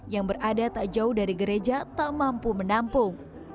yang berada tak jauh dari gereja tak mampu menampung